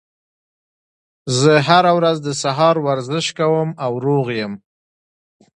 زه هره ورځ د سهار ورزش کوم او روغ یم